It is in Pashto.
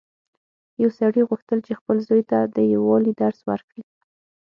یو سړي غوښتل چې خپل زوی ته د یووالي درس ورکړي.